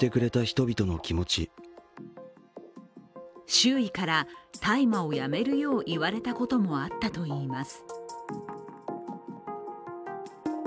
周囲から大麻をやめるよう言われたこともあったといいます。